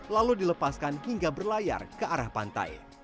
lalu dilepaskan hingga berlayar ke arah pantai